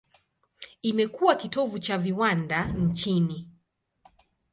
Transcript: Imekuwa kitovu cha viwanda nchini.